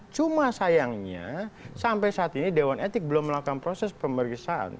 cuma sayangnya sampai saat ini dewan etik belum melakukan proses pemeriksaan